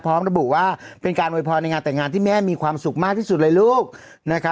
พร้อมระบุว่าเป็นการโวยพรในงานแต่งงานที่แม่มีความสุขมากที่สุดเลยลูก